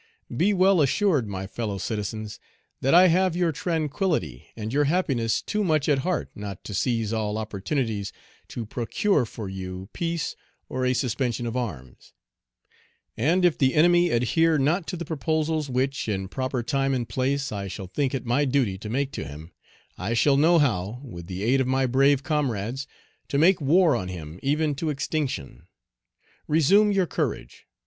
Be well assured, my fellow citizens, that I have your tranquillity and your happiness too much at heart not to seize all opportunities to procure for you peace or a suspension of arms; and, if the enemy adhere not to the proposals which, in proper time and place, I shall think it my duty to make to him, I shall know how, with the aid of my brave comrades, to make war on him even to extinction. Resume your courage.